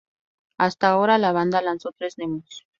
Hasta ahora, la banda lanzó tres demos.